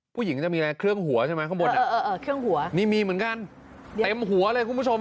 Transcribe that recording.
ผู้หญิงจะมีอะไรเครื่องหัวใช่ไหมข้างบนเครื่องหัวนี่มีเหมือนกันเต็มหัวเลยคุณผู้ชม